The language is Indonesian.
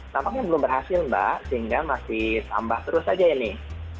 tampaknya belum berhasil mbak sehingga masih tambah terus aja ya nih